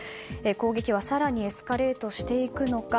攻撃は更にエスカレートしていくのか。